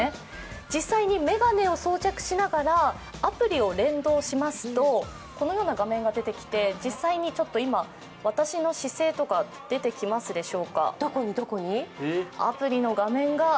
実際に眼鏡を装着しながら、アプリを連動しますとこのような画面が出てきて、実際に私の姿勢とか、出てきますでしょうか。